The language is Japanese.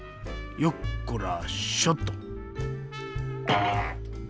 よっこらしょっと。